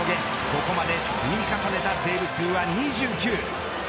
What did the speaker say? ここまで積み重ねたセーブ数は２９。